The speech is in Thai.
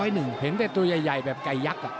เห็นแต่ตัวใหญ่แบบไก่ยักษ์